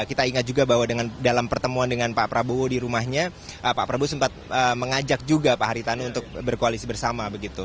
kita ingat juga bahwa dalam pertemuan dengan pak prabowo di rumahnya pak prabowo sempat mengajak juga pak haritanu untuk berkoalisi bersama begitu